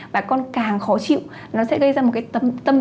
và con càng khó chịu nó sẽ gây ra một cái tâm ruột